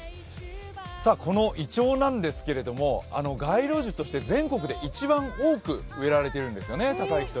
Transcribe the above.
このいちょうなんですけれども、街路樹として全国で一番多く植えられているんですね。